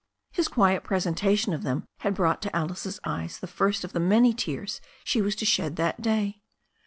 His quiet presentation of them had brought to Alice's eyes the first of the many tears she was to shed that day.